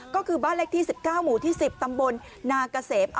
ก็คือบ้านเลขที่๑๙หมู่ที่๑๐ตำบลนาเกษม